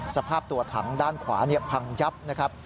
สภาพตัวถังด้านขวาพังยับนะครับ